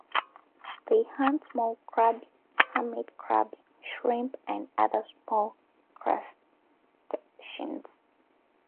They hunt small crabs, hermit crabs, shrimp, and other small crustaceans.